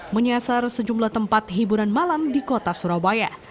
menyasar sejumlah tempat hiburan malam di kota surabaya